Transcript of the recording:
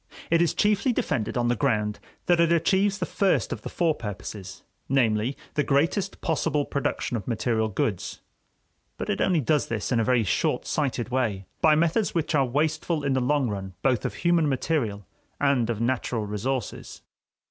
It is chiefly defended on the ground that it achieves the first of the four purposes, namely, the greatest possible production of material goods, but it only does this in a very short sighted way, by methods which are wasteful in the long run both of human material and of natural resources.